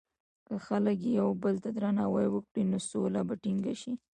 که خلک یو بل ته درناوی وکړي، نو سوله به ټینګه شي.